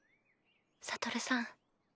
悟さん